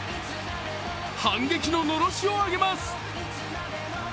反撃ののろしを上げます。